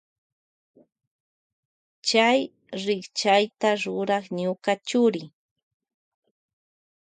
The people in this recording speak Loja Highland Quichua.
Chay rikchayta rurak ñuka churi.